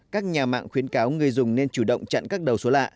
các nhà mạng khuyến cáo người dùng nên chủ động chặn các đầu số lạ